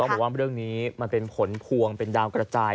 บอกว่าเรื่องนี้มันเป็นผลพวงเป็นดาวกระจาย